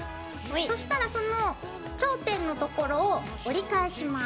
そしたらその頂点のところを折り返します。